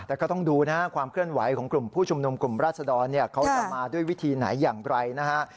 แต่ก็ต้องดูนะฮะความเคลื่อนไหวของกลุ่มผู้ชุมนุมกลุ่มราชดรเขาจะมาด้วยวิธีไหนอย่างไรนะฮะ